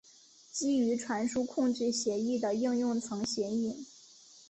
基于传输控制协议的应用层协议。